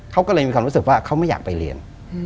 เขาก็เลยมีความรู้สึกว่าเขาไม่อยากไปเรียน